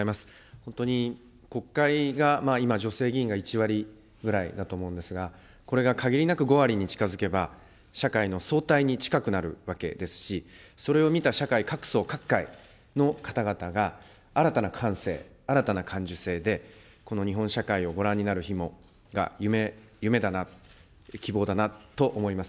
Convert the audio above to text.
本当に国会が今、女性議員が１割ぐらいだと思うんですが、これが限りなく５割に近づけば、社会の相対に近くなるわけですし、それを見た社会各層、各界の方々が、新たな感性、新たな感受性で、この日本社会をご覧になる日が、夢だな、希望だなと思います。